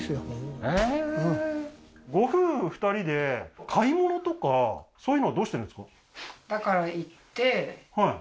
へえーご夫婦２人で買い物とかそういうのはどうしてるんですか？